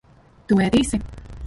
Tu ēdīsi?